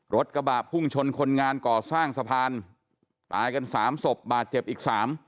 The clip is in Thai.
รถกระบะพุ่งชนคนงานก่อสร้างสะพานตายกันสามศพบาดเจ็บอีกสาม